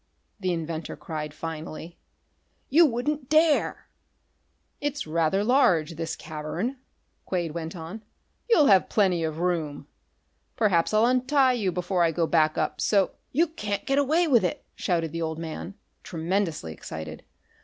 the inventor cried finally. "You wouldn't dare!" "It's rather large, this cavern," Quade went on. "You'll have plenty of room. Perhaps I'll untie you before I go back up, so " "You can't get away with it!" shouted the old man, tremendously excited.